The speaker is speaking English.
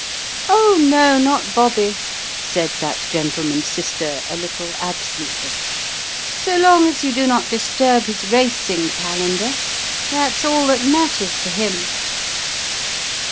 "Oh, no, not Bobby," said that gentleman's sister a little absently, "so long as you do not •disturb his racing calender, that's all that matters to him."